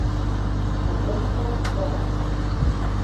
Mazal ur truḥemt ara?